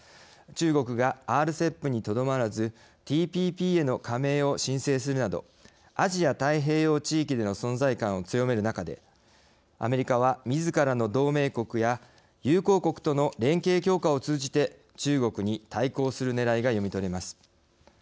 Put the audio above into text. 中国がＲＣＥＰにとどまらずＴＰＰへの加盟を申請するなどアジア太平洋地域での存在感を強める中でアメリカは、みずからの同盟国や友好国との連携強化を通じて中国に対抗するねらいが読み取れます。